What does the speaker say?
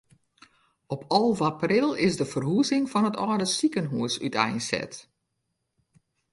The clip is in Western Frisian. Op alve april is de ferhuzing fan it âlde sikehûs úteinset.